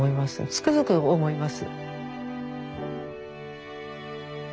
つくづく思います。